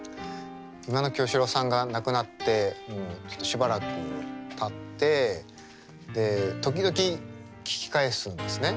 忌野清志郎さんが亡くなってしばらくたって時々聴き返すんですね。